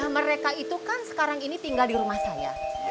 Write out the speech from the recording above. mereka itu kan sekarang ini tinggal di rumah saya